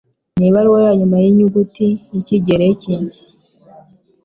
Nibaruwa Yanyuma Yinyuguti yikigereki